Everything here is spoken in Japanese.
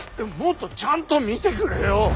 もっとちゃんと見てくれよ。